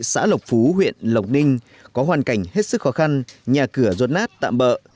xã lộc phú huyện lộc ninh có hoàn cảnh hết sức khó khăn nhà cửa rột nát tạm bỡ